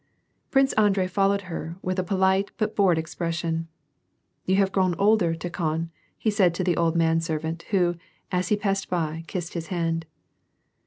Prince Andrei 'followed her, with a polite but bored expres sion. " You have grown older, Tikhon," said he to the old man servant, who, as he passed by, kissed his hand.